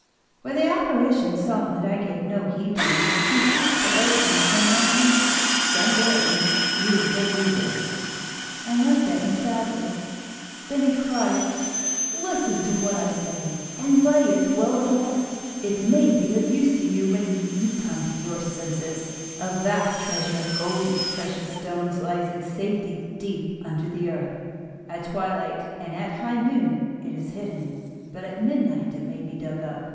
"When the apparition saw that I gave no heed to him he ceased to urge me, saying only: 'Some day you will rue this,' and looked at me sadly. Then he cried: 'Listen to what I say, and lay it well to heart, it may be of use to you when you come to your senses. A vast treasure of gold and precious stones lies in safety deep under the earth. At twilight and at high noon it is hidden, but at midnight it may be dug up.